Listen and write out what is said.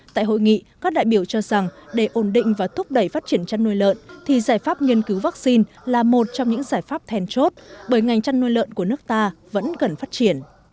tại hội nghị các đại biểu cho rằng để ổn định và thúc đẩy phát triển chăn nuôi lợn thì giải pháp nghiên cứu vaccine là một trong những giải pháp thèn chốt bởi ngành chăn nuôi lợn của nước ta vẫn cần phát triển